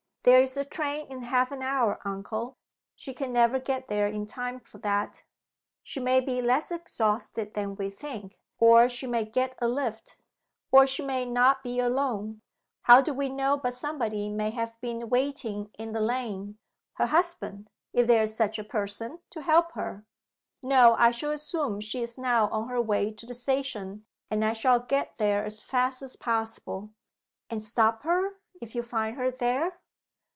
"There is a train in half an hour, uncle. She can never get there in time for that." "She may be less exhausted than we think; or she may get a lift; or she may not be alone. How do we know but somebody may have been waiting in the lane her husband, if there is such a person to help her? No! I shall assume she is now on her way to the station; and I shall get there as fast as possible " "And stop her, if you find her there?"